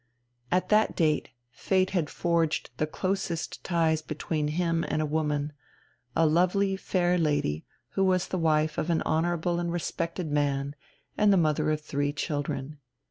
At that date fate had forged the closest ties between him and a woman, a lovely, fair lady who was the wife of an honourable and respected man and the mother of three children.